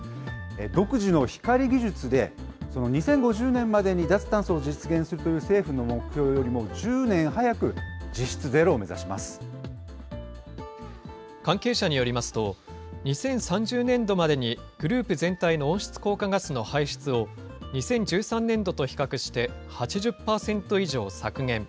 独自の光技術で、２０５０年までに脱炭素を実現するという政府の目標よりも１０年関係者によりますと、２０３０年度までに、グループ全体の温室効果ガスの排出を、２０１３年度と比較して８０％以上削減。